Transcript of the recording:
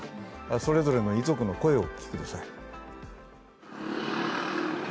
それぞれの遺族の声をお聞きください。